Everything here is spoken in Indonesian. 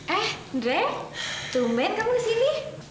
eh ndre tumben kamu kesini